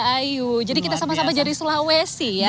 ayo jadi kita sama sama dari sulawesi ya